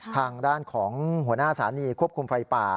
ทางด้านของหัวหน้าสานีควบคุมไฟป่า